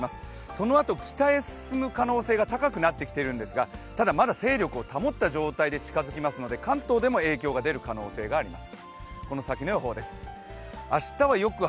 そのあと北へ進む可能性が高くなってきているんですがただ、まだ勢力を保った状態で近づきますので関東でも影響が出る可能性があります。